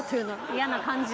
嫌な感じ。